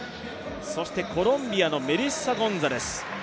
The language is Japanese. そしてコロンビアのメリッサ・ゴンザレス。